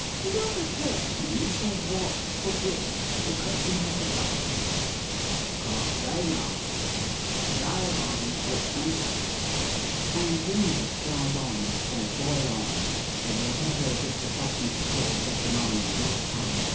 " Does a coachman say wot for which because he has a licence ?" "Can't say. Ma'am?" " Drive on, coachman." And we must drive on, or loil on, or whatever it is the fashion to call getting on in these times.